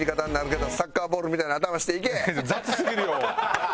雑すぎるよ！